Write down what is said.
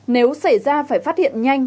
nếu xảy ra phải phát hiện nhanh